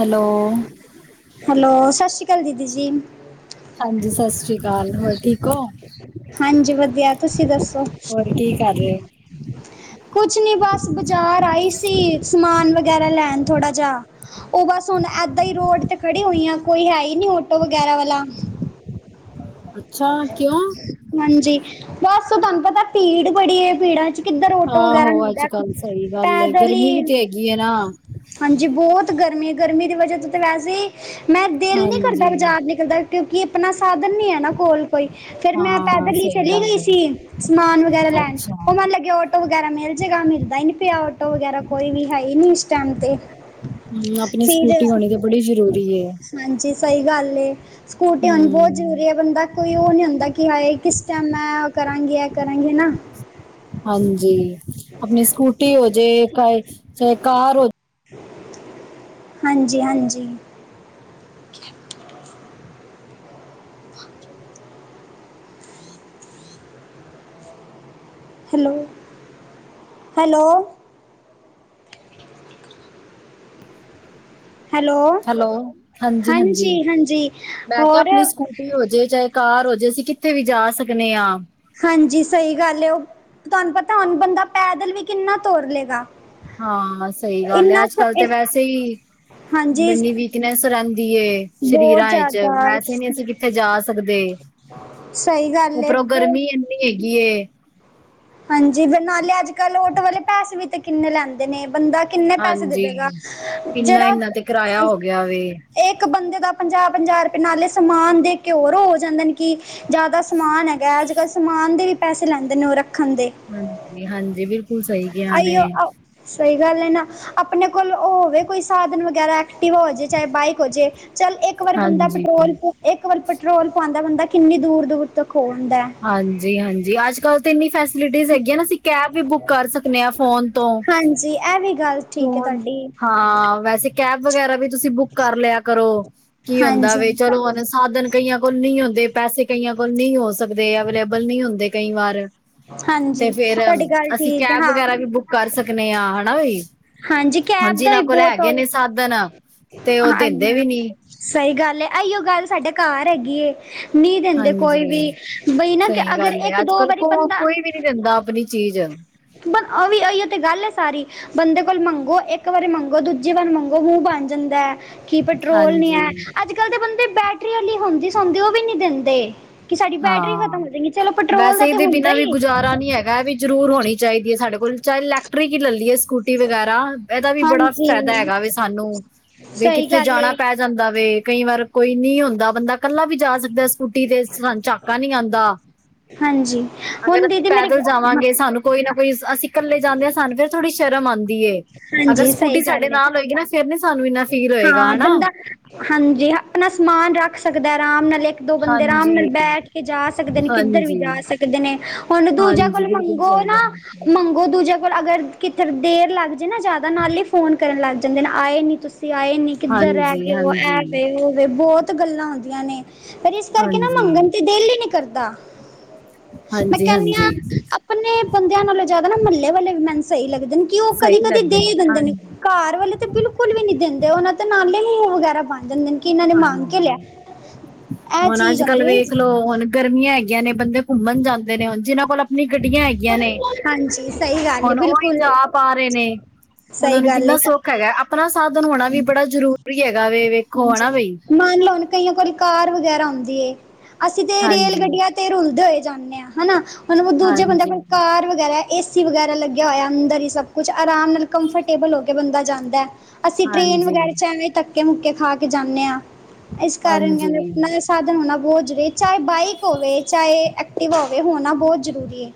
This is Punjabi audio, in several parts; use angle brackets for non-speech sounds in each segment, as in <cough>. ਹੈਲੋ। ਹੈਲੋ, ਸਸ ਸੀ ਕਾਲ ਦੀਦੀ ਜੀ। ਹਾਂਜੀ। ਸਸ ਰੀ ਕਾਲ। ਹੋਰ ਠੀਕ ਓ। ਹਾਂਜੀ ਵਧੀਆ ਤੁਸੀਂ ਦੱਸੋ ਹੋਰ ਕੀ ਕਰ ਰੇ ਓ? ਕੁਛ ਨੀ ਬਸ ਬਜ਼ਾਰ ਆਈ ਸੀ। ਸਮਾਨ ਵਗੈਰਾ ਲੈਣ ਥੋੜ੍ਹਾ ਜਾ ਉਹ ਬਸ ਹੁਣ ਏਦਾਂ ਈ ਰੋਡ ਤੇ ਖੜੀ ਹੋਈ ਆ। ਕੋਈ ਹੈ ਈ ਨੀ ਔਟੋ ਵਗੈਰਾ ਵਾਲਾ। ਅੱਛਾ ਕਿਉਂ? ਹਾਂਜੀ। ਬਸ ਤਵਾਨੂੰ ਪਤਾ ਪੀੜ ਬੜੀ ਐਂ ਪੀੜਾਂ ਚ ਕਿੱਧਰ ਔਟੋ ਵਗੈਰਾ ਆਹੋ ਮਿਲਦੈ ਪੈਦਲ ਗਰਮੀ ਈ। ਵੀ ਤੇ ਕਿ ਏ ਨਾ ਹਾਂਜੀ, ਬਹੁਤ ਗਰਮੀ। ਗਰਮੀ ਦੀ ਵਜ੍ਹ ਤੋਂ ਤੇ ਵੈਸੇ ਈ ਮੈਂ ਦਿਲ ਨੀ ਕਰਦਾ ਹਾਂਜੀ ਬਜ਼ਾਰ ਨਿਕਲ ਤੇ। ਕਿਉਂਕਿ ਅਪਣਾ ਸਾਧਨ ਨੀ ਹੈ ਨਾ ਕੋਲ। ਕੋਈ ਫੇਰ ਮੈਂ ਹਾਂ ਪੈਦਲ ਈ ਸਹੀ ਚਲੀ ਗੱਲ ਗਈ ਹੈ ਸੀ ਸਮਾਨ ਵਗੈਰਾ ਲੈਣ ਅੱਛਾ ਉਹ ਮੈਨੂੰ ਲੱਗਿਆ ਔ ਆਟੋ ਵਗੈਰਾ ਮਿਲ ਜੇ ਗਾ। ਮਿਲਦਾ ਈ ਨੀ ਪਿਆ ਆਟੋ ਵਗੈਰਾ ਕੋਈ ਵੀ ਹੈ ਈ ਨੀ ਇਸ ਟਾਈਮ ਤੇ ਹੂੰ ਆਪਣੀ ਫਿਰ ਸਕੂਟੀ ਹੋਣੀ ਤੇ ਬੜੀ ਜ਼ਰੂਰੀ ਏ ਹਾਂਜੀ ਸਹੀ ਗੱਲ ਏ ਸਕੂਟੀ ਹੋਣੀ ਬਹੁਤ ਹਮ ਜ਼ਰੂਰੀ ਏ। ਬੰਦਾ ਕੋਈ ਉਹ ਨੀ ਹੁੰਦਾ। ਕਿ ਹਾਏ ਕਿਸ ਟਾਈਮ ਮੈਂ ਉਹ ਕਰਾਂਗੀ ਇਹ ਕਰਾਂਗੀ ਨਾ। ਹਾਂਜੀ, ਆਪਣੀ ਸਕੂਟੀ ਹੋਜੇੇ, ਚਾਹ- ਚਾਹੇ ਕਾਰ ਹੋ ਜੇ ਹਾਂਜੀ - ਹਾਂਜੀ। <inaudible> Hello - hello. ਹੈਲੋ ਹੈਲੋ, ਹਾਂਜੀ- ਹਾਂਜੀ ਹਾਂਜੀ ਮੈਂ ਕਿਹਾ ਆਪਣੀ ਹੋਰ ਸਕੂਟੀ ਹੋ ਜੇ ਚਾਹੇ ਕਾਰ ਹੋ ਜੇ ਅਸੀਂ ਕਿੱਥੇ ਵੀ ਜਾ ਸਕਨੇ ਆ। ਹਾਂਜੀ ਸਹੀ ਗੱਲ ਏ। ਉਹ ਤੁਹਾਨੂੰ ਪਤਾ ਹੁਣ ਬੰਦਾ ਪੈਦਲ ਵੀ ਕਿੰਨਾ ਤੁਰ ਲਏਗਾ। ਹਾਂ---ਸਹੀ ਗੱਲ ਏ ਇੰਨਾ ਅੱਜ ਕੱਲ ਤੇ ਵੈਸੇ ਈ। ਹਾਂਜੀ ਬੀਨੀ ਵੀਕਨੈਸ ਰਹਿੰਦੀ ਏ ਬਹੁਤ ਸਰੀਰਾਂ ਵਿੱਚ, ਜ਼ਿਆਦਾ ਵੈਸੇ ਨਹੀਂ ਅਸੀਂ ਕਿੱਥੇ ਜਾ ਸਕਦੇ। ਸਹੀ ਗੱਲ ਏ ਬੋ ਨੀ ਹੈਗੀ ਏ। ਹਾਂਜੀ ਬ- ਨਾਲੇ ਅੱਜ- ਕੱਲ ਆਟੋ ਵਾਲੇ ਪੈਸੇ ਵੀ ਤਾਂ ਕਿੰਨੇ ਨੇ ਬੰਦਾ ਕਿੰਨੇ ਪੈਸੇ ਦੇ - ਹਾਂਜੀ। ਦੇਗਾ ਜਿਹੜਾ ਇੰਨਾ-ਇੰਨਾ ਤੇ ਕਿਰਾਇਆ ਹੋ ਗਿਆ ਵੇ। ਇਕ ਬੰਦੇ ਦਾ ਪੰਜਾਹ -ਪੰਜਾਹ ਰੁਪਏ ਨਾਲੇ ਸਮਾਨ ਦੇ ਕੇ ਹੋਰ ਹੋ ਜਾਂਦੇ ਨੇ ਕਿ ਜ਼ਿਆਦਾ ਸਮਾਨ ਹੈਗਾ। ਅੱਜ ਕੱਲ੍ਹ ਸਮਾਨ ਦੇ ਵੀ ਪੈਸੇ ਲੈਂਦੇ ਨੇ ਉਹ ਰੱਖਣ ਦੇ ਹਾਂਜੀ, ਹਾਂਜੀ ਬਿਲਕੁਲ ਸਹੀ ਗਿਆ ਜੇ, ਆਈਓ ਸਹੀ ਗੱਲ ਏ ਨਾ ਆਪਣੇ ਕੋਲ ਉਹ ਹੋਵੇ ਕੋਈ ਸਾਧਨ ਵਗੈਰਾ ਐਕਟਿਵ ਹੋ ਜੇ, ਚਾਹੇ ਬਾਈਕ ਹੋ ਜੇ ਚੱਲ ਇੱਕ ਇੱਕ ਵਾਰ ਬੰਦਾ ਹਾਂਜੀ। ਪੈਟਰੋਲ, ਇੱਕ ਵਾਰ ਪੈਟਰੋਲ ਪਾਂਦਾ ਬੰਦਾ ਕਿੰਨੀ ਦੂਰ ਦੂਰ ਤੱਕ ਹੋ ਆਂਦਾ। ਹਾਂਜੀ- ਹਾਂਜੀ ਅੱਜ ਕੱਲ੍ਹ ਤੇ ਇੰਨੀ ਫੈਸ ਫੈਸਲਿਟੀਜਹ ਹੈਗੀਆਂ ਨਾ ਅਸੀਂ ਕੈਬ ਵੀ ਬੁੱਕ ਕਰ ਸਕਦੇ ਆਂ ਫੋਨ ਤੋਂ ਹਾਂਜੀ, ਇਹ ਵੀ ਗੱਲ ਠੀਕ ਹੈ ਤੁਹਾਡੀ ਹਾਂ, ਵੈਸੇ ਕੈਬ ਵਗੈਰਾ ਵੀ ਤੁਸੀਂ ਬੁੱਕ ਕਰ ਲਿਆ ਕਰੋ। ਕੀ ਹੁੰਦਾ ਹਾਂਜੀ ਵੇ ਚਲੋ ਹੁਣ ਅਸ ਸਾਧਨ ਕਈਆਂ ਕੋਲ ਨਹੀਂ ਹੁੰਦੇ। ਪੈਸੇ ਕਈਆਂ ਕੋਲ ਨਹੀਂ ਹੋ ਸਕਦੇ ਅਵੇਲੇਬਲ ਨਹੀਂ ਹੁੰਦੇ ਕਈ ਵਾਰ ਤੇ ਹਾਂਜੀ ਫੇਰ ਤੁਹਾਡੀ ਗੱਲ ਅਸੀਂ ਠੀਕ ਹੈ ਕੈਬ ਹਾਂ ਵਗੈਰਾ ਵੀ ਬੁੱਕ ਕਰ ਸਕਨੇ ਆ। ਹਨਾ ਬਈ। ਹਾਂਜੀ ਹੁਣ ਕੈਬ ਦਾ ਵੀ ਜਿਨਾਂ ਕੋਲ ਬਹੁਤ ਹਾਂ ਹੈਗੇ ਨੇ ਸਾਧਨ ਤੇ ਉਹ ਹਾਂ ਦਿੰਦੇ ਵੀ ਨੀ ਸਹੀ ਗੱਲ ਏ। ਆਈਓ ਗੱਲ ਸਾਡੇ ਘਰ ਹੈਗੀ। ਨਹੀਂ ਦਿੰਦੇ ਕੋਈ ਹਾਂਜੀ ਵੀ। ਬਈ ਨਾ ਕੇ ਅਗਰ ਇੱਕ ਦੋ ਵਾਰੀ ਹੁਣ ਬੰਦਾ ਕੋਈ ਵੀ ਨੀ ਦਿੰਦਾ ਆਪਣੀ ਚੀਜ਼ ਪਰ ਅਵਂਵੀ ਇਹੇ ਤਾਂ ਗੱਲ ਹੈ ਸਾਰੀ। ਬੰਦੇ ਕੋਲ ਮੰਗੋ। ਇੱਕ ਵਾਰੀ ਮੰਗੋ, ਦੂਜੀ ਵਾਰ ਮੰਗੋ, ਮੂੰਹ ਬਣ ਜਾਂਦਾ ਹੈ। ਕਿ ਪੈਟਰੋਲ ਨੀ ਹਾਂਜੀ ਹੈ ਅੱਜ, ਕੱਲ ਦੇ ਬੰਦੇ ਬੈਟਰੀ ਆਲੀ ਹੁੰਦੀ ਸੌਦੀ ਉਹ ਵੀ ਨੀ ਦਿੰਦੇ ਕਿ ਸਾਡੀ ਬੈਟਰੀ ਖਤਮ ਹਾਂ ਹੋ ਜਾਏਗੀ ਚਲੋ ਪੈਟਰੋਲ ਦਾ ਵੈਸੇ ਤੇ ਇਹਦੇ ਹੁੰਦਾ ਬਿਨਾਂ ਵੀ ਹੀ ਗੁਜ਼ਾਰਾ ਨੀ ਹੈਗਾ ਵੀ ਜ਼ਰੂਰ ਹੋਣੀ ਚਾਹੀਦੀ ਹੈ। ਸਾਡੇ ਕੋਲ ਚਾਹੇ ਇਲੈਕਟ੍ਰਿਕ ਹੀ ਲੈਲਈਏ ਸਕੂਟੀ ਵਗੈਰਾ ਇਹਦਾ ਵੀ ਬੜਾ ਫਾਇਦਾ ਹਾਂਜੀ ਹੈਗਾ ਵੇ ਸਾਨੂੰ ਸਹੀ ਗੱਲ ਏ। ਰਹਿ ਜਾਂਦਾ ਵੇ ਕਈ ਵਾਰ ਕੋਈ ਨੀ ਹੁੰਦਾ। ਬੰਦਾ ਇਕੱਲਾ ਵੀ ਜਾ ਸਕਦਾ ਸਕੂਟੀ ਤੇ ਚਾਕਾ ਨੀ ਆਂਦਾ, ਹਾਂਜੀ ਅਗਰ ਹੁਣ ਅਸੀਂ ਦੀਦੀ ਮੇਰੇ ਪੈਦਲ ਜਾਵਾਂਗੇ? ਸਾਨੂੰ ਕੋਈ ਨਾ ਕੋਈ ਅਸੀਂ ਇਕੱਲੇ ਜਾਂਨੇ ਆ ਸਾਨੂੰ ਫੇਰ ਥੋੜੀ ਸ਼ਰਮ ਆਉਂਦੀਏ ਅਗਰ ਹਾਂਜੀ ਸਹੀ ਸਕੂਟੀ ਸਾਡੇ ਗੱਲ ਏ ਨਾਲ ਹੋਏਗੀ ਨਾ ਫੇਰ ਨੀ ਸਾਨੂੰ ਇੰਨਾ ਫੀਲ ਹੋਏਗਾ ਹਾਂ ਹੈ ਨਾ। ਬੰਦਾ ਹਾਂਜੀ, ਅਪਨਾ ਸਮਾਨ ਰਾੱਖ ਸਕਦੈ ਆਰਾਮ ਨਾਲ ਏੱਕ ਦੋ ਬੰਦੇ ਆਰਾਮ ਨਾਲ ਹਾਂਜੀ। ਬੈਠ ਕੇ ਜਾ ਸਕਦੇ ਨੇ, ਕਿੱਧਰ ਵੀ ਜਾ ਹਾਂਜੀ, ਸਕ ਕਦੇ ਨੇ, ਹੋਨ ਦੂਜਾ ਹਾਂਜੀ ਕੋਲ ਬਿਲਕੁਲ ਮੰਗੋ ਸਹੀ ਨਾ ਗੱਲ ਹੈ। ਮੰਗੋ ਦੂਜਯਾਂ ਕੋਲ ਅਗਰ ਕਿੱਥੇ ਦੇਰ ਲਾੱਗ ਜੇ ਨਾ ਜਾਦਾ ਨਾਲੇ ਫੋਨ ਕਰਨ ਲਾੱਗ ਜਾਂਦੇ, ਆਏ ਨੀ ਤੁਸ ਤੁਸੀ ਆਏ ਨੀ ਕਿੱਧਰ ਹਾਂਜੀ, ਰੈਗੇ ਓ, ਐ ਹਾਂਜੀ, ਵੇ ਓ ਵੇ ਬੋਤ ਗੱਲਾਂ ਹੁੰਦੀਆਂ ਨੇ। ਫੇਰ ਇਸ ਕਾਰਕੇ ਨਾ ਹਾਂਜੀ, ਮੰਗਨ ਤੇ ਦੇਲ ਈ ਨੀ ਕਰਦਾ। ਮੈਂ ਹਾਂਜੀ, ਕੈਨੀ ਆ ਹਾਂਜੀ। ਅਪਨੇ ਬੰਦੇਆਂ ਨਾਲੋਂ ਜਾਦਾ ਨਾ ਮੱਲੇ ਵਾਲੇ ਵੀ ਮੈਨੂੰ ਸਈ ਲੱਗਦੇ ਨੇ। ਕੀ ਓ ਸਹੀ ਕਦੀ-ਕਦੀ ਲੱਗਦੇ ਦੇ ਦੇਂਦੇ ਨੇ ਹਾਂਜੀ। ਘਾਰ ਵਾਲੇ ਤੇ ਬਿਲਕੁਲ ਵੀ ਨੀ ਦੇਂਦੇ, ਓਨਾਂ ਤੇ ਨਾਲੇ ਮੂੰ ਵਗੈਰਾ ਬਨ ਜਾਂਦੇਨ। ਹਾਂਜੀ, ਇਹ ਹੋਨ ਚੀਜ਼ ਅੱਜ-ਕੱਲ ਹੁੰਦੀ ਹੈ। ਵੇਖਲੋ ਹੋਨ ਗਰਮੀਆਂ ਹੈਗੀਆਂ ਨੇ ਬੰਦੇ ਘੁੰਮਨ ਜਾਂਦੇ ਨੇ, ਹੋਨ ਜਿਨਾਂ ਕੋਲ ਅਪਨੀ ਗੱਡੀਆਂ ਹੈਗੀਆਂ ਨੇ। ਹਾਂਜੀ ਸਹੀ ਗੱਲ ਹੈ, ਹੋਨ ਓਈ ਬਿਲਕੁਲ ਜਾ ਪਾ ਰੇ ਨੇ। ਸਹੀ ਓਨਾਂ ਨੂੰ ਗੱਲ ਕਿੰਨਾ ਏ ਸੋੱਖ ਹੈਗੈ, ਆਪਨਾ ਸਾਧਨ ਹੋਣਾ ਵੀ ਬੜਾ ਜਰੂਰੀ ਹੈਗਾ ਵੇ, ਵੇਖੋ ਹਣਾ ਹਾਂਜੀ ਮੰਨ ਲੋ ਹੁਨ ਕਈਆਂ ਕੋਲ ਕਾਰ ਵਗੈਰਾ ਹੁੰਦੀ ਏ, ਅਸੀ ਤੇ ਰੇਲ ਹਾਂਜੀ ਗੱਡੀਆਂ ਤੇ ਰੁਲਦੇ ਹੋਏ ਜਾਂਨੇ ਆ, ਹਨਾ। ਹੁਨ ਦੂਜੇ ਬੰਦੇਆਂ ਹਾਂਜੀ ਕੋਲ ਕਾਰ ਵਗੈਰੈ, ਏਸੀ ਵਗੈਰੈ ਲੱਗੇ ਲੱਗੇਆ ਹੋਯਾ ਅੰਦਰ ਈ ਸਭ ਕੁਛ, ਆਰਾਮ ਨਾਲ ਕੰਫਰਟੇਬਲ ਹੋ ਕੇ ਬੰਦਾ ਜਾਂਦੈ। ਅਸੀ ਟ੍ਰੇਨ ਹਾਂਜੀ ਵਗੈਰਾ ਚ ਐਵੇਂ ਧੱਕੇ, ਮੁੱਕੇ ਖਾ ਕੇ ਜਾਂਨੇ ਆਂ ਐਸ ਕਾਰਨ ਹਾਂਜੀ ਕੈਂਦੇ <unintelligible> ਸਾਧਨ ਹੋਨਾ ਬੋਤ ਜ਼ ਚਾਏ ਬਾਈਕ ਹੋਵੇ, ਚਾਏ ਐਕਟਿਵਾ ਹੋਵੇ, ਹੋਨਾ ਬੋਤ ਜ਼ਰੂਰੀ ਏ।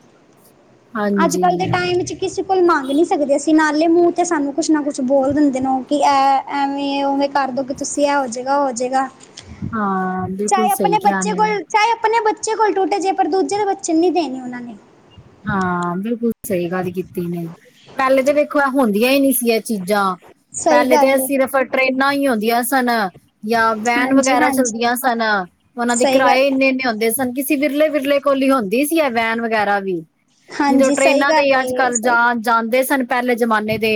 ਅੱਜ-ਕੱਲ ਦੇ ਹਾਂਜੀ ਟਾਈਮ ਵਿੱਚ ਕਿਸੇ ਕੋਲ ਮੰਗ ਨੀ ਸਕਦੇ ਅਸੀ, ਨਾਲੇ ਮੂੰ ਤੇ ਸਾਨੂੰ ਕੁਛ ਨਾ ਕੁਛ ਬੋਲ ਦਿੰਦੇ ਨੇ ਓ ਕਿ ਐ ਐਵੇਂ ਉਵੇਂ ਕਾਰਦੋ ਗੇ ਤੁਸੀ, ਐ ਹੋ ਜੇਗਾ, ਓ ਹੋ ਜੇਗਾ। ਹਾਂ, ਬਿਲਕੁਲ ਸਈ ਕੇਆ ਨੇ। ਚਾਏ ਅਪਨੇ ਬੱਚੇ ਕੋਲ ਟੁੱਟ ਜੇ, ਪਰ ਦੂਜੇ ਦੇ ਬੱਚੇ ਨੂੰ ਨੀ ਦੇਨੀ ਓਨਾਂ ਨੇ। ਹਾਂ, ਬਿਲਕੁਲ। ਸਈ ਗੱਲ ਕੀਤੀ ਨੇ, ਪੈਲੇ ਤੇ ਵੇਖੋ ਐ ਹੁੰਦੀਆਂ ਈ ਨੀ ਸੀ ਐ ਚੀਜ਼ਾਂ ਸਹੀ ਪੈਲੇ ਗੱਲ ਤੇ ਏ ਸਿਰਫ਼ ਟਰੇਨਾਂ ਈ ਹੁੰਦੀਆਂ ਸਨ ਯਾ ਵੈਨ ਹਾਂਜੀ ਵਗੈਰਾ ਹਾਂਜੀ ਚੱਲਦੀਆਂ ਸਨ। ਓਨਾਂ ਦੇ ਸਹੀ ਗੱਲ ਕਿਰਾਏ ਇੰਨੇ-ਇੰਨੇ ਹੁੰਦੇ ਸਨ ਕਿਸੀ ਵਿਰਲੇ-ਵਿਰਲੇ ਕੋਲ ਈ ਹੋਂਦੀ ਸੀ ਐ ਵੈਨ ਵਗੈਰਾ ਵੀ। ਨੀ ਤੋ ਹਾਂਜੀ ਸਹੀ ਟਰੇਨਾਂ ਤੇ ਈ ਗੱਲ ਏ ਅੱਜ-ਕੱਲ ਸਹੀ ਜਾਂ ਜਾਂਦੇ ਸਨ। ਪੈਲੇ ਜਮਾਨੇ ਦੇ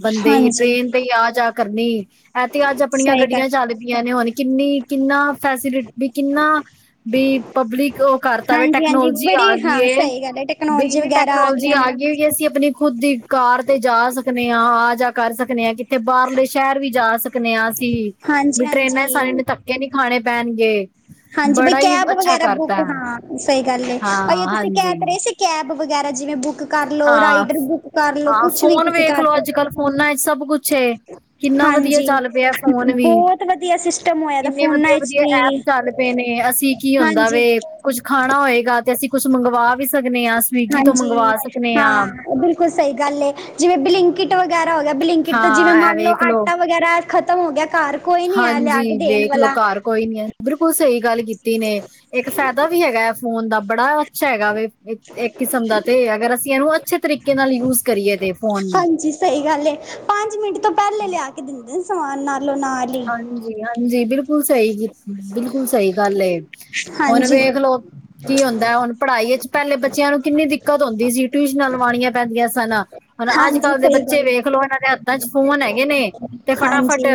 ਬੰਦੇ ਈ ਹਾਂਜੀ ਟ੍ਰੇਨ ਤੇ ਈ ਆ-ਜਾ ਕਰਨੀ ਐ ਤੇ ਅੱਜ ਅਪਣੀਆਂ ਸਹੀ ਗੱਡੀਆਂ ਗੱਲ ਚੱਲ ਪਿਆਂ ਨੇ ਹੋਨ ਕਿੰਨੀ ਕਿੰਨਾ ਫੈਸਿਲੀ ਵੀ ਕਿੰਨਾ ਬੀ ਪਬਲਿਕ ਓ ਕਾਰਤਾ ਵੇ, ਹਾਂਜੀ ਹਾਂਜੀ ਟੈਕਨੋਲਜੀ ਬੜੀ ਆ ਗੀ ਹਾਂ ਏ। ਸਹੀ ਗੱਲ ਹੈ ਬੀ ਟੈਕਨੋਲੋਜੀ ਇੰਨੀ ਵਗੈਰਾ ਟੈਕਨੋਲਜੀ ਗਈਆਂ ਨੇ ਆ ਗੀ ਕਿ ਅਸੀ ਅਪਨੀ ਖੁਦ ਦੀ ਕਾਰ ਤੇ ਜਾ ਸਕਨੇ ਆਂ, ਆ-ਜਾ ਕਾਰ ਸਕਨੇ ਆ ਕਿ ਤੇ ਬਾਰਲੇ ਸ਼ੈਰ ਵੀ ਜਾ ਸਕਨੇ ਆ ਅਸੀ, ਹਾਂਜੀ ਵੀ ਟਰੇਨਾਂ ਹਾਂਜੀ <unintelligible> ਧੱਕੇ ਨੀ ਖਾਣੇ ਪੈਨਗੇ। ਹਾਂਜੀ, ਬਈ ਕੈਬ ਵਗੈਰਾ ਬੁੱਕ ਹਾਂ ਸਈ ਗੱਲ ਏ, ਅਈਓ ਹਾਂ ਤੁਸੀ ਕੈ ਹਾਂਜੀ ਤੇ ਰਏ ਸੀ। ਕੈਬ ਵਗੈਰਾ ਜਿਵੇਂ ਬੁੱਕ ਕਰ ਲਓ ਹਾਂ, ਰਾਈਡਰ ਬੁੱਕ ਕਰ ਲਓ ਹਾਂ ਕੁਛ ਵੀ ਫੋਨ ਤੁਸੀਂ ਕਰ ਵੇਖਲੋ। ਸਕ ਅੱਜ-ਕੱਲ ਫੋਨਾਂ ਏੱਚ ਸਭ ਕੁਛ ਏ। ਕਿੰਨਾ ਵਧੀਆ ਹਾਂਜੀ ਚੱਲ ਪੇਐ ਫੋਨ ਵੀ, ਬਹੁਤ ਵਧੀਆ ਸਿਸਟਮ ਹੋਇਆ ਦਾ ਕਿੰਨੇ ਫੋਨਾਂ ਵਿੱਚ ਵਦੀਆ-ਵਦੀਆ ਵੀ ਐਪ ਚੱਲ ਪ ਪੇ ਨੇ, ਅਸੀਂ ਕੀ ਹੁੰਦਾ ਵੇ ਹਾਂਜੀ ਕੁੱਛ ਖਾਣਾ ਹੋਏਗਾ, ਤੇ ਅਸੀਂ ਕੁਛ ਮੰਗਵਾ ਵੀ ਸਕਨੇ ਆਂ ਸਵੀਗੀ ਤੋ ਹਾਂਜੀ ਮੰਗਵਾ ਸਕ ਹਾਂ, ਬਿਲਕੁਲ ਸਈ ਗੱਲ ਏ, ਜਿਵੇਂ ਬਿਲਿੰਕ ਬਲਿੰਕਿਟ ਵਗੈਰਾ ਹੋ ਗੇਆ, ਬਲਿੰਕਿਟ ਤੋਂ ਜਿਵੇਂ ਹਾਂ ਇਹ ਮੰਨ ਲੋ ਵੇਖ ਆਟਾ ਵਗੈਰਾ ਖਤਮ ਹੋ ਗੇਆ ਘਰ ਕੋਈ ਨੀ ਆਇਆ ਹਾਂਜੀ, ਲਿਆ ਕੇ ਦੇਣ ਵੇਖਲੋ ਵਾਲਾ ਘਰ ਕੋਈ ਨੀ ਐ, ਬਿਲਕੁਲ ਸਈ ਗੱਲ ਕੀਤੀ ਨੇ ਏੱਕ ਫੈਦਾ ਵੀ ਹੈਗੈ ਫੋਨ ਦਾ ਬੜਾ ਅੱਛਾ ਹੈਗਾ ਵੇ ਏ ਏੱਕ ਕਿਸਮ ਦਾ ਤੇ ਅਗਰ ਅਸੀਂ ਐਨੂੰ ਅੱਛੇ ਤਰੀਕੇ ਤਰੀਕੇ ਨਾਲ ਯੂਜ ਕਰੀਏ ਤੇ ਫੋਨ ਨੂੰ ਹਾਂਜੀ ਸਹੀ ਗੱਲ ਏ, ਪੰਜ ਮਿੰਟ ਤੋਂ ਪਹਿਲੇ ਲਿਆ ਕੇ ਦਿੰਦੇ ਨੇ ਸਮਾਨ ਨਾਲੋਂ ਨਾਲ। ਹੀ ਹਾਂਜੀ- ਹਾਂਜੀ, ਬਿਲਕੁਲ ਸਹੀ ਕੀ, ਬਿਲਕੁਲ ਸਹੀ ਗੱਲ ਏ। ਹੁਣ ਹਾਂਜੀ ਵੇਖ ਲਓ ਕੀ ਹੁੰਦਾ, ਪੜ੍ਹਾਈ ਵਿੱਚ ਪਹਿਲੇ ਬੱਚਿਆਂ ਨੂੰ ਕਿੰਨੀ ਦਿੱਕਤ ਹੁੰਦੀ ਸੀ, ਟਿਊਸ਼ਨਾਂ ਲਵਾਉਣੀਆਂ ਪੈਂਦੀਆਂ ਸਨ ਹੁਣ ਅੱਜ- ਹਾਂਜੀ ਕੱਲ੍ਹ ਦੇ ਸਹੀ ਬੱਚੇ ਗੱਲ ਏ ਵੇਖ ਲੋ, ਇਹਨਾਂ ਦੇ ਹੱਥਾਂ 'ਚ' ਫੋਨ ਹੈਗੇ ਨੇ ਤੇ ਹਾਂਜੀ, ਫਟਾਫਟ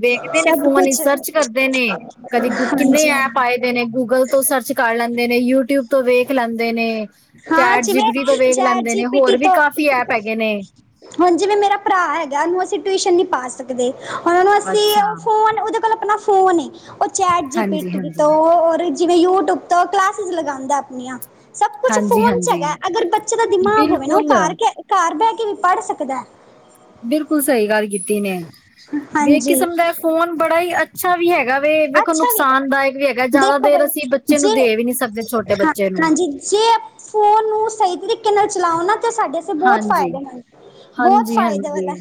ਦੇੇਖਦੇ ਨੇ ਸਭ ਫੋਨ ਹੀ ਕੁਛ ਸਰਚ ਕਰਦੇ ਨੇ ਕਦੀ ਗੁ ਕਿੰਨੇ ਹਾਂਜੀ ਹਾਂਜੀ। ਐਪ ਆਏ ਦੇ ਨੇ, ਗੂਗਲ ਤੋਂ ਸਰਚ ਕਰ ਲੈਂਦੇ ਨੇ, ਯੂਟਿਊਬ ਤੋਂ ਵੇਖ ਲੈਂਦੇ ਨੇ ਹਾਂ ਚੈਟ ਜਿਵੇਂ ਜੀਬੀਟੀ ਤੋਂ ਵੇਖ ਚੈਟ ਲੈਂਦੇ ਜੀ ਨੇ, ਪੀ ਹੋਰ ਟੀ ਵੀ ਤੋਂ ਕਾਫ਼ੀ ਐਪ ਹੈਗੇ ਨੇ ਹੁਣ ਜਿਵੇਂ ਮੇਰਾ ਭਰਾ ਹੈਗਾ, ਉਹਨੂੰ ਅਸੀਂ ਟਿਊਸ਼ਨ ਨਹੀਂ ਪਾ ਸਕਦੇ, ਹੁਣ ਉਹ ਨੂੰ ਅਸੀਂ ਅੱਛਾ ਉਹ ਫੋਨ ਉਹ ਦੇ ਕੋਲ ਆਪਣਾ ਫੋਨ ਏ, ਉਹ ਚੈਟ ਜੀ ਹਾਂਜੀ ਪਿਟੀ ਹਾਂਜੀ ਤੋਂ ਜਿਵੇਂ ਯੂਟਿਊਬ ਤੋਂ ਕਲਾਸਿਸ ਲਗਾਦਾ ਆਪਣੀਆਂ ਸਭ ਕੁਛ ਹਾਂਜੀ ਫੋਨ 'ਚ' ਹਾਂਜੀ ਹੈਗਾ, ਅਗਰ ਬੱਚੇ ਦਾ ਦਿਮਾਗ ਹੋਵੇ ਨਾ, ਉਹ ਬਿਲਕੁਲ ਘਰ ਬਹਿ ਕੇ ਵੀ ਪੜ ਸਕਦਾ। ਬਿਲਕੁਲ ਸਹੀ ਗੱਲ ਕੀਤੀ ਨੇ, ਬੇ ਹਾਂਜੀ, ਕਿਸਮ ਦਾ ਫੋਨ ਬੜਾ ਹੀ ਅੱਛ ਅੱਛਾ ਵੀ ਹੈਗਾ ਵੇ, ਵੇਖੋ ਅੱਛਾ ਵੀਗਾ ਨੁਕਸਾਨਦਾਇਕ ਵੀ ਹੈਗਾ, ਜਿਆਦਾ ਦੇਖੋ ਦੇਰ ਬਾਈ ਅਸੀਂ ਬੱਚੇ ਨੂੰ ਜੇ ਦੇ ਵੀ ਨੀ ਸਕਦੇ ਛੋਟੇ ਹਾਂ ਬੱਚੇ ਨੂੰ ਹਾਂਜੀ ਜੇ ਫੋਨ ਨੂੰ ਸਹੀ ਤਰੀਕੇ ਨਾਲ ਚਲਾਓ ਨਾ ਤੇ ਸਾਡੇ ਤੇ ਬਹੁਤ ਹਾਂਜੀ ਫਾਇਦੇ ਹਨ, ਬਹੁਤ ਹਾਂਜੀ ਫਾਇਦੇ ਹਾਂਜੀ ਵਾਲਾ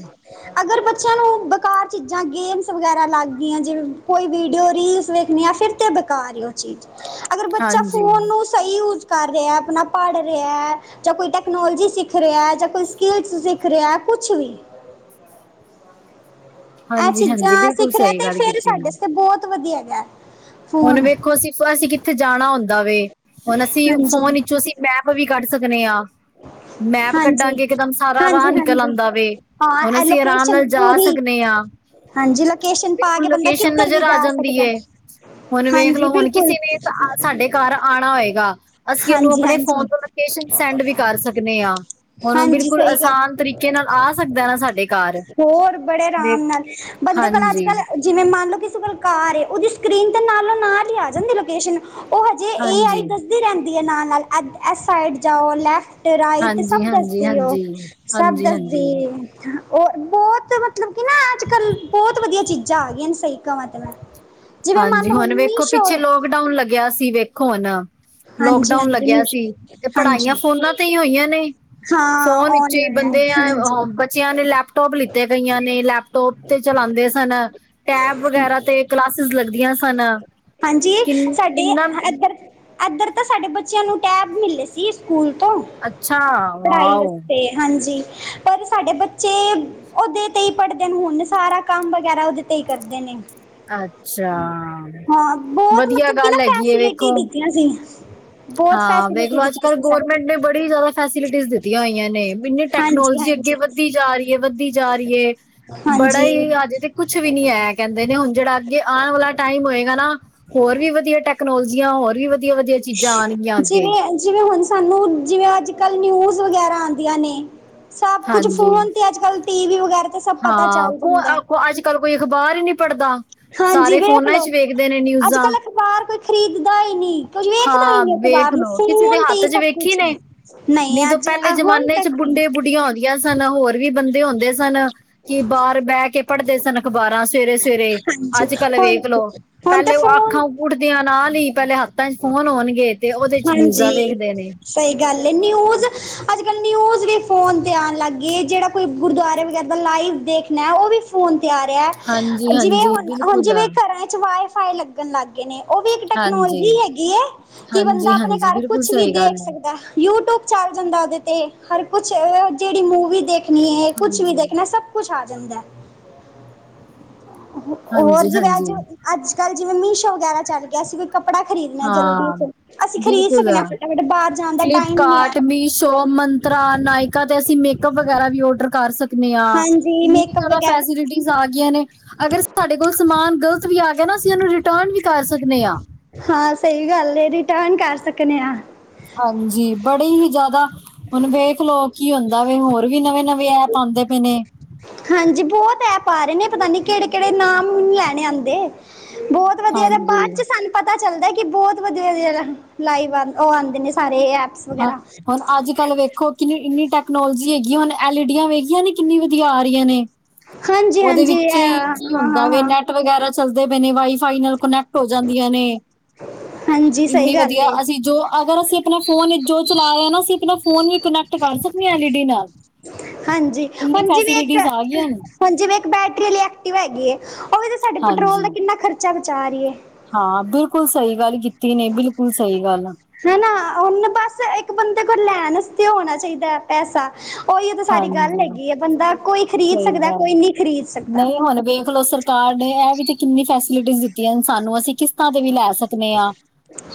ਅਗਰ ਬੱਚਿਆਂ ਨੂੰ ਬੇਕਾਰ ਚੀਜ਼ਾਂ, ਗੇਮਸ ਵਗੈਰਾ ਲੱਗ ਗਈਆਂ ਜਿਵੇਂ ਕੋਈ ਵੀਡੀਓ ਰੀਲੀਜ਼ ਵੇਖਣੀਆਂ, ਫਿਰ ਤੇ ਬੇਕਾਰ ਹੀ ਏ ਉਹ ਚੀਜ਼, ਅਗਰ ਬੱਚਾ ਹਾਂਜੀ ਫੋਨ ਨੂੰ ਸਹੀ ਯੂਜ ਕਰ ਰਿਹਾ, ਆਪਣਾ ਪੜ੍ਹ ਰਿਹਾ ਜਾਂ ਕੋਈ ਟੈਕਨੋਲਜਜੀ ਸਿੱਖ ਰਿਹਾ ਜਾਂ ਕੋਈ ਸਕਿੱਲਸ ਸਿੱਖ ਰਿਹਾ, ਕੁਛ ਵੀ ਆ ਹਾਂਜੀ ਹਾਂਜੀ ਚੀਜ਼ਾਂ ਬਿਲਕੁਲ ਸਿੱਖ ਰਿਹਾ ਸਹੀ ਤੇ ਗੱਲ ਫਿਰ ਕੀਤੀ ਇਹਨੂੰ ਸਾਡੇ ਤੇ ਬਹੁਤ ਵਧੀਆ ਹੈਗਾ। ਹੁਣ ਫੋਨ ਵੇਖੋ ਅਸੀਂ ਫਰਸ ਕਿੱਥੇ ਜਾਣਾ ਹੁੰਦਾ ਵੇ ਹੁਣ ਅਸੀਂ ਹਾਂਜੀ ਫੋਨ ਵਿੱਚੋਂ ਅਸੀਂ ਮੈਪ ਵੀ ਕੱਢ ਸਕਦੇ ਆਂ ਮੈਪ ਹਾਂਜੀ, ਕੱਢਾਂਗੇ, ਇਕਦਮ ਸਾਰਾ ਰਾਹ ਹਾਂਜੀ, ਨਿਕਲ ਆਉਂਦਾ ਹਾਂਜੀ ਵੇ ਹੁਣ ਹਾਂ ਐ ਅਸੀਂ ਆਰਾਮ ਲੋਕੇਸ਼ਨ ਨਾਲ ਜਾ ਪੂਰੀ ਸਕਦੇ ਆਂ ਹਾਂਜੀ, ਲੋਕੇਸ਼ਨ ਪਾ ਕੇ ਬੰਦਾ ਅੱਛਾ ਕਿੱਧਰ ਵੀ ਨਜ਼ਰ ਆ ਜਾ ਜਾਂਦੀ ਸਕਦਾ। ਏ। ਹੁਣ ਵੇਖ ਹਾਂਜੀ ਲਓ ਹੁਣ ਬਿਲਕੁਲ, ਕਿਸੇ ਨੇ ਸਾਡੇ ਘਰ ਆਣਾ ਹੋਏਗਾ, ਅਸੀਂ ਉਹਨੂੰ ਹਾਂਜੀ, ਆਪਣੇ ਫੋਨ ਹਾਂਜੀ, ਤੋਂ ਲ ਲੋਕੇਸ਼ਨ ਸੈਂਡ ਵੀ ਕਰ ਸਕਦੇ ਆ, ਹੁਣ ਹਾਂਜੀ ਬਿਲਕੁਲ ਸਹੀ ਗੱਲ ਆਸਾਨ ਤਰੀਕੇ ਨਾਲ ਆ ਸਕਦਾ ਨਾ ਸਾਡੇ ਘਰ। ਹੋਰ ਬੜੇ ਆਰਾਮ ਵੇਖ ਨਾਲ, ਬੰਦੇ ਕੋਲ ਅੱਜ- ਹਾਂਜੀ ਕੱਲ੍ਹ ਜਿਵੇਂ ਮੰਨ ਲਓ ਕਿ ਇਸ ਕੋਲ ਕਾਰ ਏ, ਉਹਦੀ ਸਕਰੀਨ 'ਤੇ ਨਾਲੋਂ ਨਾ ਹੀ ਆ ਜਾਂਦੀ ਲੋਕੇਸ਼ਨ ਉਹ ਹਜੇ ਆਈ ਹਾਂਜੀ ਹਾਂਜੀ ਦੱਸਦੀ ਰਹਿੰਦੀ ਹੈ ਨਾਲ -ਨਾਲ ਇਸ ਸਾਈਡ ਜਾਓ ਲੈਫਟ ਰਾਈਟ ਹਾਂਜੀ ਸਭ ਹਾਂਜੀ ਦੱਸਦੀ ਓ, ਹਾਂਜੀ ਸਭ ਦੱਸਦੀ ਹਾਂਜੀ ਏ। ਹੋਰ ਬਹੁਤ ਮਤਲਬ ਕਿ ਨਾ ਅੱਜ- ਕੱਲ੍ਹ, ਬਹੁਤ ਵਧੀਆ ਚੀਜ਼ਾਂ ਆ ਗਈਆਂ ਨੇ ਸਹੀ ਕਵਾਂ ਤੇ ਮੈਂ ਜਿਵੇਂ ਮੰਨ ਹਾਂਜੀ, ਲਓ ਹੁਣ ਵੇਖੋ ਮੀਸ਼ੋ ਪਿੱਛੇ ਲੋਕਡਾਊਨ ਲੱਗਿਆ ਸੀ ਵੇਖੋ ਹੁਨ ਹਾਂਜੀ ਲੋਕਡਾਊਨ ਹਾਂਜੀ ਲੱਗਿਆ ਮੀਸ਼ੋ ਸੀ ਤੇ ਪੜ੍ਹਾਈਆਂ ਹਾਂਜੀ ਫੋਨਾਂ ਤੇ ਹੀ ਹੋਈਆਂ ਨੇ। ਹਾਂ ਫੋਨ ਵਿੱਚ ਹੀ ਔਨਲਾਈਨ ਬੰਦਿਆਂ, ਹਾਂਜੀ ਬੱਚਿਆਂ ਨੇ ਲੈਪਟੋਪ ਲਿੱਤੇ ਆ ਕਈਆਂ ਨੇ ਲੈਪ ਟੋਪ ਤੇ ਚਲਾਂਦੇ ਸਨ, ਟੈਬ ਵਗੈਰਾ ਤੇ ਕਲਾਸ ਸ ਲੱਗਦੀਆਂ ਸਨ, ਕਿੰਨ- ਕਿੰਨਾ ਐਧਰ ਤਾਂ ਸਾਡੇ ਬੱਚਿਆਂ ਨੂੰ ਟੈਬ ਮਿਲੇ ਸੀ ਸਕੂਲ ਤੋਂ ਅੱਛਾ ਪੜ੍ਹਾਈ ਵਾਓ ਵਸਤੇ, ਹਾਂਜੀ। ਪਰ ਸਾਡੇ ਬੱਚੇ ਓਦੇ ਤੇ ਈ ਪੜ੍ਹਦੇ ਨੇ ਹੁਨ, ਸਾਰਾ ਕੰਮ ਵਗੈਰਾ ਓਦੇ ਤੇ ਈ ਕਰਦੇ ਨੇ। ਅੱਛਾ ਹਾਂ, ਬਹੁਤ ਵਧੀਆ ਮਤਲਬ ਕਿ ਨਾ ਗੱਲ ਹੈਗੀ ਏ ਫੈਸੱਲਿਟੀ ਵੇਖੋ ਦਿੱਤੀਆਂ ਸੀ। ਬਹੁਤ ਹਾਂ, ਫੈਸਿਲਿਟੀ ਵੇਖਲੋ ਅੱਜ ਦਿੱਤੀ -ਕੱਲ੍ਹ ਸੀ ਸਾਡੀ ਗੌਰਮੈਂਟ ਨੇ ਬੜੀ ਜ਼ਿਆਦਾ ਫੈਸਿਲਿਟੀਸ ਦਿੱਤੀਆਂ ਹੋਈਆਂ ਨੇ, ਮਿੰ ਹਾਂਜੀ ਟੈਕਨੋਲਜੀ ਅੱਗੇ ਹਾਂਜੀ ਵਧੀ ਜਾ ਰੀ ਏ, ਵੱਧੀ ਜਾ ਰੀ ਏ ਬੜਾ ਹਾਂਜੀ ਈ ਅਜੇ ਤੇ ਕੁਛ ਵੀ ਨੀ ਐ ਕੈਂਦੇ ਨੇ ਹੁਨ। ਜੇੜਾ ਅੱਗੇ ਆਣ ਵਾਲਾ ਟਾਈਮ ਹੋਏਗਾ ਨਾ ਹੋਰ ਵੀ ਵਧੀਆ ਟੈਕਨੋਲਜੀਆਂ ਹੋਰ ਵੀ ਵਧ ਵਧੀਆ-ਵਧੀਆ ਚੀਜਾਂ ਆਨਗੀਆਂ ਅੱਗੇ। ਜਿਵੇਂ ਜਿਵੇਂ ਹੁਣ ਸਾਨੂੰ ਜਿਵੇਂ ਅੱਜ-ਕਲ ਨਿਊਜ ਵਗੈਰਾ ਆਂਦੀਆਂ ਨੇ ਸਭ ਕੁਛ ਹਾਂਜੀ ਫੋਨ ਤੇ ਅੱਜ-ਕਲ ਹਾਂ, ਕੋ ਅ ਕੋ ਅੱਜ-ਕੱਲ ਕੋਈ ਅਖਬਾਰ ਈ ਨੀ ਪੜਦਾ। ਸਾਰੇ ਫੋਨਾਂ ਚ ਵੇਖਦੇ ਨੇ ਨਿਊਜਾਂ। ਅਖਬਾਰ ਕੋਈ ਖਰੀਦਦਾ ਈ ਨਈ। ਕੋਈ ਵੇਖਦਾ ਈ ਹਾਂ ਨਈ ਵੇਖ ਅਖ਼ਬਾਰ ਨੂੰ, ਲਓ ਕਿਸੇ ਦੇ ਫੋਨ ਤੇ ਹੱਥ ਹੀ 'ਚ ਸਭ ਵੇਖੀ ਕੁਛ, ਨੇ ਨਈ ਅੱਜ ਆਂ ਹੁਣ ਤੱਕ ਤੇ ਯਾਰ ਸਾਡੇ ਨਾਲ ਹੋਰ ਵੀ ਬੰਦੇ ਹੋੰਦੇ ਸਨ। ਕਿ ਬਾਹਰ ਬੈ ਕੇ ਪੜਦੇ ਸਨ ਅਖਬਾਰਾਂ ਸਵੇਰੇ-ਸਵੇਰੇ, ਹਾਂਜੀ ਅੱਜ-ਕੱਲ ਹੁਣ ਵੇਖ ਲੋ ਹੁਣ ਤਾਂ ਪੈਲੇ ਫੋਨ ਅਖਾਂ ੳਠਦੇਆਂ ਨਾਲ ਈ ਪੈਲੇ ਹੱਥ ਹਥਾਂ ਚ ਫੋਨ ਹੋਨਗੇ ਤੇ ੳਦੇ ਚ ਨਿਊਜਾਂ ਵੇਖਦੇ ਨੇ। ਸਈ ਗੱਲ ਏ। ਨਿਊਜ, ਅੱਜ-ਕੱਲ ਨਿਊਜ ਵੀ ਫੋਨ ਤੇ ਆਨ ਲਗ ਗੀਏ ਜੇੜਾ ਕੋਈ ਗੁਰਦੁਆਰੇ ਵਗੈਰਾ ਦਾ ਲਾਈਵ ਦੇਖਨਾ, ੳਵੀ ਫੋਨ ਤੇ ਆ ਰਿਆ। ਹਾਂਜੀ ਜਿਵੇਂ ਹਾਂਜੀ ਹੁਣ, ਹੁਣ ਬਿਲਕੁਲ ਜਿਵੇਂ ਘਰਾਂ ਚ ਵਾਏ-ਫਾਏ ਲੱਗਣ ਲੱਗ ਗਏ ਨੇ ੳਵੀ ਏਕ ਹਾਂਜੀ ਟੈਕਨੋਲਜੀ ਹੈਗੀ ਏ ਕਿ ਬੰਦਾ ਹਾਂਜੀ ਅਪਣੇ ਹਾਂਜੀ ਘਰ ਬਿਲਕੁਲ ਕੁੱਛ ਵੀ ਸਹੀ ਦੇਖ ਗੱਲ ਹੈ ਸਕਦਾ। ਯੂ ਟੂਬ ਚਲ ਜਾਂਦਾ ਓਦੇ ਤੇ ਹਰ ਕੁਛ ਅ ਜੇੜੀ ਮੂਵੀ ਦੇਖ ਨੀ ਏ, ਕੁਛ ਵੀ ਹਾਂਜੀ ਦੇਖਨਾ ਸਭ ਕੁਛ ਆ ਜਾਂਦਾ। ਹੋ ਹੋਰ ਹਾਂਜੀ ਜਿਵੇਂ ਅੱਜ, ਹਾਂਜੀ ਅੱਜ-ਕੱਲ ਜਿਵੇਂ ਮੀਸ਼ੋ ਵਗੈਰਾ ਚਲ ਗਿਆ ਅਸੀ ਵੀ ਕੱਪੜਾ ਖਰੀਦਨਾ ਜਰੂਰੀ ਐ ਹਾਂ ਫੇਰ ਅਸੀ ਖਰੀਦ ਬਿਲਕੁਲ ਸਕਨੇ ਆ। ਫਟਾਫਟ ਬਾਹਰ ਜਾਨ ਦਾ ਟਾਈਮ ਨੀ ਐ। ਤਰਾ, ਨਾਇਕਾ ਤੇ ਅਸੀਂ ਮੇਕਅਪ ਵਗੈਰਾ ਵੀ ਔਡਰ ਕਰ ਸਕਨੇ ਆਂ ਹਾਂਜੀ ਇਨੀ ਮੇਕਅਪ ਜਾਦਾ ਵਗੈਰਾ ਫੈਸਿਲਿਟੀ ਆ ਗੀਆਂ ਨੇ ਅਗਰ ਸਾਡੇ ਕੋਲ ਸਮਾਨ ਗਲਤ ਵੀ ਆ ਗਿਆ ਨਾ ਅਸੀ ੳਨੂੰ ਰਿਟਰਨ ਵੀ ਕਰ ਸਕਨੇ ਆਂ। ਹਾਂ, ਸਈ ਗੱਲ ਏ, ਰਿਟਰਨ ਕਰ ਸਕਨੇ ਆਂ। ਹਾਂਜੀ, ਬੜੀ ਈ ਜਾਦਾ ਹੁਣ ਵੇਖ ਲੋ ਕੀ ਹੁੰਦਾ ਵੇ ਹੋਰ ਵੀ ਨਵੇ-ਨਵੇ ਐਪ ਆਂਦੇ ਪਏ ਨੇ। ਹਾਂਜੀ, ਬੋਤ ਐਪ ਆ ਰਏ ਨੇ, ਪਤਾ ਨੀ ਕੇੜੇ-ਕੇੜੇ, ਨਾਮ ਵੀ ਨੀ ਲੈਣੇ ਆਂਦੇ, ਬੋਤ ਵਧੀਆ, ਵਧੀਆ ਹਾਂਜੀ ਬਾਦ ਚ ਸਾਨੂੰ ਪਤਾ ਚੱਲਦਾ ਕਿ ਬੋਤ ਵਧੀਆ, ਵਧੀਆ ਲਾਈਵ ਆਂਦੇ ਓਹ ਆਂਦੇ ਨੇ ਸਾਰੇ ਐਪ। ਹਾਂ, ਹੁਣ ਅੱਜ-ਕੱਲ ਵੇਖੋ ਕਿਨੀ ਇਨੀ ਟੈਕਨੋਲਜੀ ਹੈਗੀ ਏ, ਹੁਨ ਐਲ ਈਡੀਆਂ ਵੇਖੀਆਂ ਨੇ ਕਿਨੀ ਵਧੀਆ ਆ ਰਈਆਂ ਨੇ। ਹਾਂਜੀ ੳਦੇ ਹਾਂਜੀ ਵਿੱਚੋ ਈ, ਹਾਂ ਕੀ ਹੁੰਦਾ ਹਾਂ ਵੇ, ਹਾਂ ਨੈਟ ਵਗੈਰਾ ਚੱਲਦੇ ਪਏ ਨੇ ਵਾਈ-ਫਾਈ ਨਾਲ ਕੋਨੈਕਟ ਹੋ ਜਾਂਦੀਆਂ ਨੇ, ਹਾਂਜੀ ਸਹੀ ਇਨੇ ਗੱਲ ਵਧੀਆ ਏ ਅਸੀ ਜੋ ਅਗਰ ਅਸੀ ਅਪਨੇ ਫੋਨ ਇਚ ਜੋ ਚਲਾ ਰਏ ਆ ਨਾ ਅਸੀ ਫੋਨ ਵੀ ਕਨੈਕਟ ਕਰ ਸਕਨੇ ਆਂ ਐਲ ਈ ਡੀ ਨਾਲ, ਹਾਂਜੀ ਇਨੀ ਹੁਣ ਜਿਵੇਂ ਇੱਕ ਫੈਸਿਲਿਟੀਜ ਆ ਗਈਆਂ ਅਨ। ਹੁਣ ਜਿਵੇਂ ਇਕ ਬੈਟਰੀ ਆਲੀ ਐਕਟਿਵਾ ਹੈਗੀ ਏ, ੳਹ ਵੀ ਤੇ ਸਾਡੇ ਪੈਟਰੋਲ ਹਾਂਜੀ ਦਾ ਕਿਨਾ ਖਰਚਾ ਬਚਾ ਰਈ ਏ। ਹਾਂ, ਬਿਲਕੁਲ ਸਹੀ ਗੱਲ ਕੀਤੀ ਨੇ, ਬਿਲਕੁੱਲ ਸਹੀ ਗੱਲ। ਹੈਨਾ, ਹੁਨ ਬਸ ਇੱਕ ਬੰਦੇ ਕੋਲ ਲੈਣ ਅਸਤੇ ਹੋਨਾ ਚਈਦਾ। ਪੈਸਾ, ੳਈੳ ਤੇ ਸਾਰੀ ਗੱਲ ਹਾਂਜੀ ਹੈਗੀ ਏ, ਬੰਦਾ ਕੋਈ ਖਰੀਦ ਸਕਦਾ ਕੋਈ ਨਈ ਖਰੀਦ ਸਕਦਾ। ਹੋਨ ਵੇਖ ਲੋ ਸਰ ਕਾਰ ਨੇ ਐ ਵੀ ਤੇ ਕਿਨੀ ਫੈਸਿਲਿਟੀਜ ਦਿੱਤੀਆਂ ਨੇ ਸਾਨੂੰ ਅਸੀ ਕਿਸਤਾਂ ਤੇ ਵੀ ਲੈ ਸਕ ਸਕਨੇ ਆਂ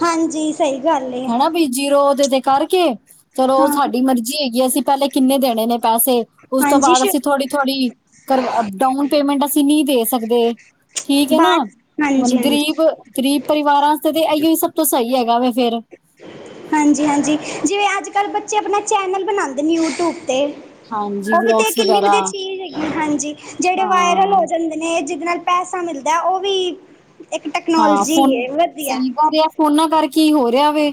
ਹਾਂਜੀ ਸਹੀ ਗੱਲ ਏ ਹੈਨਾ ਬੀ, ਜੀਰੋ ਓਦੇ ਤੇ ਕਰਕੇ ਚਲੋ ਹਾਂ ਸਾਡੀ ਮਰਜੀ ਹੈਗੀ ਏ ਅਸੀ ਪੈਲੇ ਕਿਨੇ ਦੇਣੇ ਨੇ ਪੈਸੇ, ੳਸ ਤੋਂ ਹਾਂਜੀ ਬਾਦ ਸ਼ ਅਸੀ ਥੋੜੀ ਥੋੜੀ ਡਾਉਨ ਪੇਮੈਂਟ ਅਸੀ ਨਈ ਦੇ ਸਕਦੇ। ਠੀਕ ਐ ਨਾ, ਬਾਅਦ ਹੁਣ ਹਾਂਜੀ ਹਾਂਜੀ ਗਰੀਬ ਗਰੀਬ ਪਰਿਵਾਰਾ ਸਤੇ ਐਈਓ ਸਭ ਤੋਂ ਸਈ ਹੈਗਾ ਵੇ ਫੇਰ ਹਾਂਜੀ-ਹਾਂਜੀ, ਜਿਵੇਂ ਅੱਜ-ਕੱਲ ਬੱਚੇ ਆਪਣਾ ਚੈਨਲ ਬਣਾਦੇ ਯੂਟੁਬ ਤੇ ਹਾਂਜੀ ਓਵੀ ਤੇ ਵਲੋਗਸ ਕਿੰਨੀ ਵਗੈਰਾ ਵਧੀਆ ਚੀਜ਼ ਹੈਗੀ ਹਾਂਜੀ, ਜੇੜੇ ਵਾਯਰਲ ਹਾਂ ਹੋ ਜਣ ਨੇ, ਜਿਦੇ ਨਾਲ ਪੈਸਾ ਮਿਲਦਾ ਓਵੀ, ਏਕ ਟੈਕਨੋਲੋਜੀ ਏ ਵਧੀਆ ਫੋਨਾ ਕਾਰਕਈ ਹੋ ਰੇਆ ਵੇ,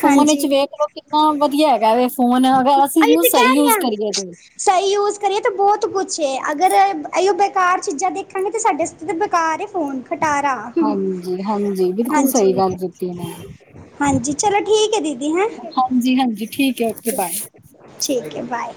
ਫੋਨ ਹਾਂਜੀ ਚ ਵੇਖ ਲੋ ਕਿੰਨਾ ਵਧੀਆ ਹੈਗਾ ਵੇ ਫੋਨ ਅਗਰ ਅਸੀ ਏਨੂੰ ਸਹੀ ਯੂਸ ਕਰੀਏ ਤੇ ਸਈ ਯੂਸ ਕਰੀਏ ਤੇ ਬੋਤ ਕੁਛ ਏ, ਅਗਰ, ਏਈਓ ਬੇਕਾਰ ਚੀਜ਼ਾਂ ਦੇਖਾਂਗੇ ਤੇ ਸਾਡੇ ਤੇ ਬੇਕਾਰ ਏ ਫੋਨ, ਖਟਾਰਾ ਹਾਂਜੀ-ਹਾਂਜੀ, ਬਿਲਕੁਲ ਸਈ ਹਾਂਜੀ ਗੱਲ ਕੀਤੀ ਨੇ ਹਾਂਜੀ ਚਲੋ ਠੀਕ ਐ ਦੀਦੀ ਹੈ। ਹਾਂਜੀ-ਹਾਂਜੀ, ਠੀਕ ਐ ਓਕੇ ਬਾਏ। ਠੀਕ ਐ ਬਾਏ।